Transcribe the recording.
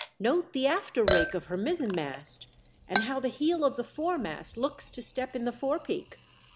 Note the after rake of her mizzen mast, and how the heel of the foremast looks to step in the forepeak.